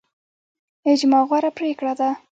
اجماع غوره پریکړه ده